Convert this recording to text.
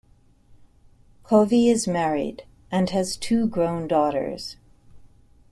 Covey is married and has two grown daughters.